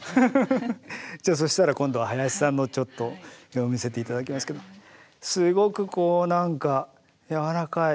じゃあそしたら今度は林さんのをちょっと見せて頂きますけどすごくこうなんかやわらかい。